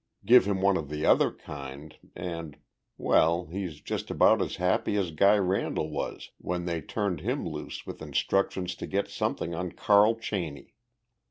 Give him one of the other kind and well, he's just about as happy as Guy Randall was when they turned him loose with instructions to get something on Carl Cheney.